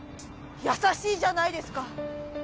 優しいじゃないですか。